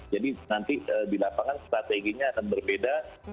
jadi nanti di lapangan strateginya akan berbeda